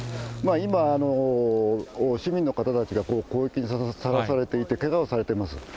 今、市民の方たちが攻撃にさらされていて、けがをされてます。